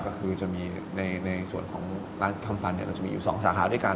ก็คือจะมีในส่วนของร้านทำฟันเราจะมีอยู่๒สาขาด้วยกัน